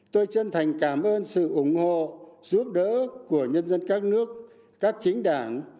tôi chân thành cảm ơn sự ủng hộ giúp đỡ của nhân dân các nước các chính đảng